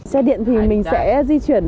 xe điện thì mình sẽ di chuyển